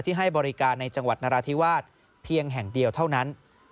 ให้บริการในจังหวัดนราธิวาสเพียงแห่งเดียวเท่านั้น